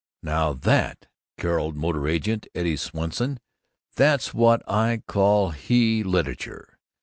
_" "Now that," caroled the motor agent, Eddie Swanson, "that's what I call he literature!